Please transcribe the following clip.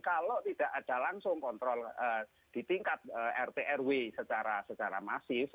kalau tidak ada langsung kontrol di tingkat rt rw secara masif